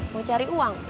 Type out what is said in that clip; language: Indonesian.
mau cari uang